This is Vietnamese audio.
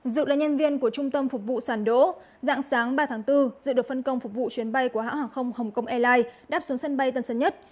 dự là nhân viên của trung tâm phục vụ sản đỗ dạng sáng ba tháng bốn dự được phân công phục vụ chuyến bay của hãng hàng không hồng kông airlines đáp xuống sân bay tân sân nhất